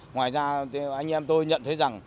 ngoài ra anh em tôi nhận thấy rằng